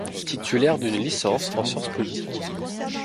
Titulaire d'une licence en sciences politique.